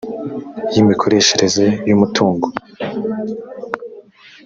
y imikoreshereze y umutungo